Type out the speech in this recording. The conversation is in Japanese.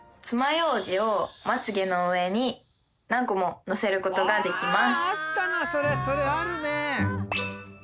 ようじをまつ毛の上に何個ものせることができます